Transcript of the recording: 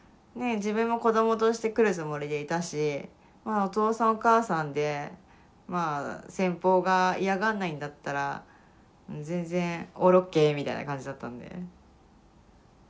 自分も子どもとして来るつもりでいたしお父さんお母さんで先方が嫌がんないんだったら全然オールＯＫみたいな感じだったんで。